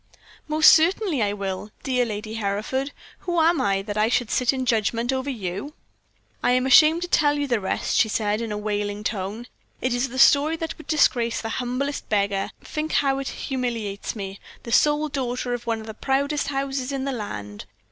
"Most certainly I will, dear Lady Hereford. Who am I, that I should sit in judgment over you?" "I am ashamed to tell you the rest," she said, in a wailing tone. "It is a story that would disgrace the humblest beggar think how it humiliates me, the sole daughter of one of the proudest houses in the land.